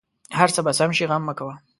هر څه به سم شې غم مه کوه